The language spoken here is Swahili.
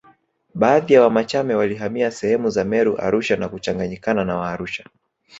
Baadhi ya Wamachame walihamia sehemu za Meru Arusha na kuchanganyikana na Waarusha